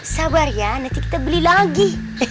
sabar ya nanti kita beli lagi